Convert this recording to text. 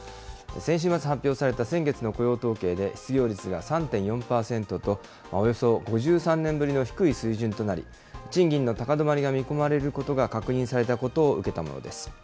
先週末発表された先月の雇用統計で、失業率が３．４％と、およそ５３年ぶりの低い水準となり、賃金の高止まりが見込まれることが確認されたことを受けたものです。